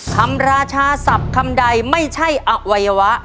คำราชาศัพท์คำใดไม่ใช่อไววะ